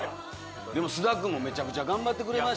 でも菅田君もめちゃくちゃ頑張ってくれましたよ。